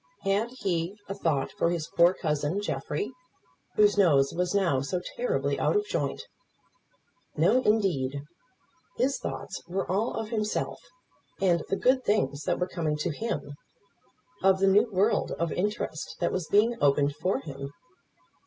Had he a thought for his poor cousin Jeffrey, whose nose was now so terribly out of joint? No, indeed. His thoughts were all of himself, and the good things that were coming to him, of the new world of interest that was being opened for him.